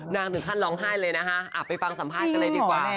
ถึงขั้นร้องไห้เลยนะคะไปฟังสัมภาษณ์กันเลยดีกว่า